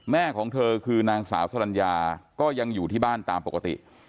แม่ของเธอคือนางสาวสลัญญาก็ยังอยู่ที่บ้านตามปกติ